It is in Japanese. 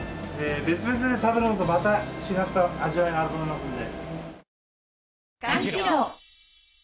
別々で食べるのとまた違った味わいがあると思いますので。